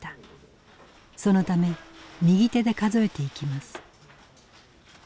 そのため右手で数えていきます。